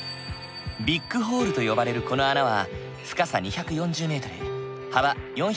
ビッグホールと呼ばれるこの穴は深さ２４０ｍ幅４６３ｍ。